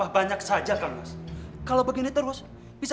ayo ini singkirkan mereka